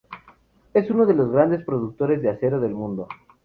Es uno de los grandes productores de acero del mundo.